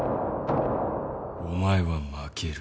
お前は負ける。